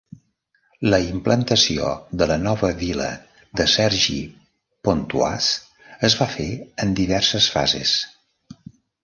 La implantació de la nova vila de Cergy-Pontoise es va fer en diverses fases.